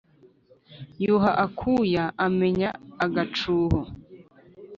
Yuha akuya amenya agacuho.